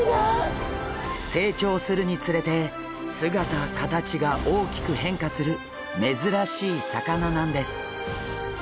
成長するにつれて姿形が大きく変化する珍しい魚なんです。